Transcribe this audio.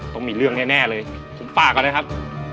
ต้องมีเรื่องแน่เลยผมฝากก่อนนะครับ